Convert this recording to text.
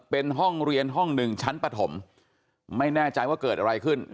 เป็นห้องเรียนห้องหนึ่งชั้นปฐมไม่แน่ใจว่าเกิดอะไรขึ้น